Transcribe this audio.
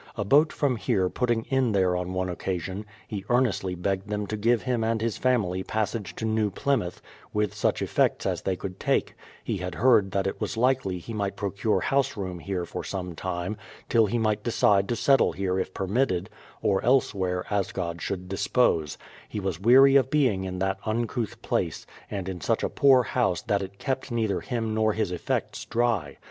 A boat from here putting in there on one occasion, he earnestly begged them to give him and his family passage to New Plymouth, with such effects as they could take; he had heard that it was likely he might procure houseroom here for some time, till he might decide to settle here if per mitted, or elsewhere, as Gud should dispose ; he was weary of being in that uncouth place, and in such a poor house that it kept neither him nor his effects dry.